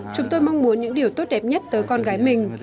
chúng tôi mong muốn những điều tốt đẹp nhất tới con gái mình